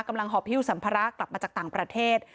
กำลังหอบพี่อุศัมพาระกลับมาจากต่างประเทศ